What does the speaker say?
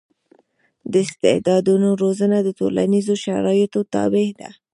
د استعدادونو روزنه د ټولنیزو شرایطو تابع ده.